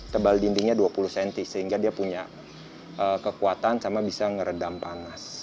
tebal dindingnya dua puluh cm sehingga dia punya kekuatan sama bisa ngeredam panas